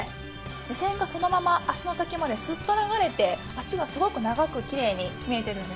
目線がそのまま脚の先までスッと流れて脚がすごく長くきれいに見えているんですね。